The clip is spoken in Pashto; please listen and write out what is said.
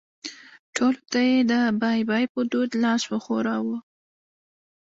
ټولو ته یې د بای بای په دود لاس وښوراوه.